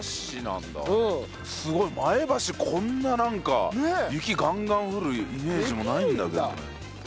こんななんか雪ガンガン降るイメージもないんだけどね。